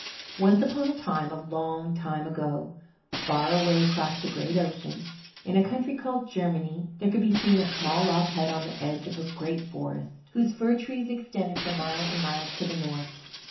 Once upon a time, a long time ago, far away across the great ocean, in a country called Germany, there could be seen a small log hut on the edge of a great forest, whose fir trees extended for miles and miles to the north.